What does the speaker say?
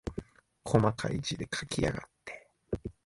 こまかい字で書きやがって。